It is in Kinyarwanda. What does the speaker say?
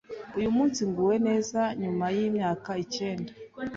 Uyu munsi nguwe neza nyuma y’imyaka icyenda